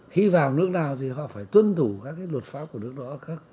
khi vào nước nào thì họ phải tuân thủ các luật pháp của nước đó